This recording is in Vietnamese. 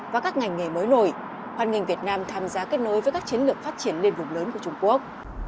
và các ngành nghề mới nổi hoan nghênh việt nam tham gia kết nối với các chiến lược phát triển liên vụ lớn của trung quốc